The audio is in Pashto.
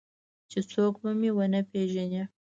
چې څوک به مې ونه پېژني.